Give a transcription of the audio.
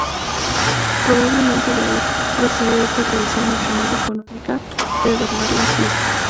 Probablemente de ahí procede esta tradición mucho más económica de adornar las fiestas.